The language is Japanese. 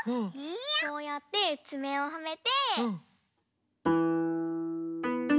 こうやってつめをはめて。